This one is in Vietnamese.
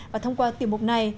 và thông qua tiểu mục này